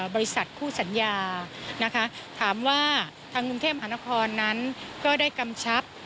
บริษัทคู่สัญญานะคะถามว่าทางกรุงเทพมหานครนั้นก็ได้กำชับ